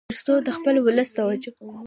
تر څو د خپل ولس توجه